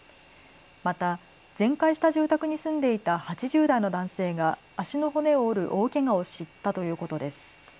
また全壊した住宅に住んでいた８０代の男性が足の骨を折る大けがをしたということです。